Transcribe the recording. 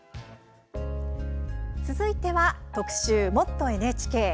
続いては、特集「もっとＮＨＫ」。